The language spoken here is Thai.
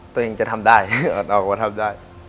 ตัวเองจะทำได้นอกว่าทำได้